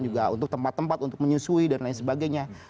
juga untuk tempat tempat untuk menyusui dan lain sebagainya